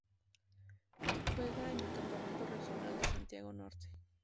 Juega en el campeonato regional de Santiago Norte.